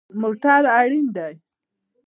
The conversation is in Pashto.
موټر اړین دی